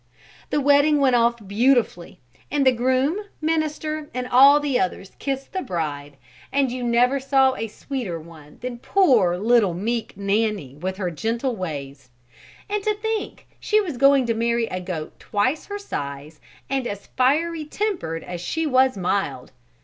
The wedding went off beautifully and the groom, minister and all the others kissed the bride and you never saw a sweeter one than poor little meek Nanny with her gentle ways; and to think she was going to marry a goat twice her size and as fiery tempered as she was mild!